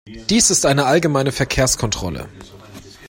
Dies ist eine allgemeine Verkehrskontrolle.